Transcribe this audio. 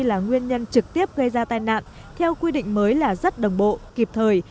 là nguyên nhân trực tiếp gây ra tai nạn theo quy định mới là rất đồng bộ kịp thời